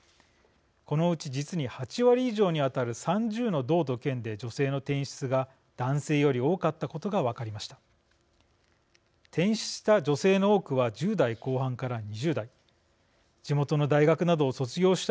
このうち、実に８割以上に当たる３０の道と県で女性の転出が男性より多かったことが分かりました。